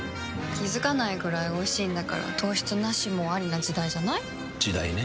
気付かないくらいおいしいんだから糖質ナシもアリな時代じゃない？時代ね。